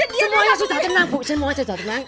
tenang tenang semuanya sudah tenang